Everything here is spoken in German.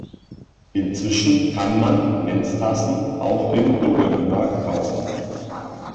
Inzwischen kann man Menstassen auch im Drogeriemarkt kaufen.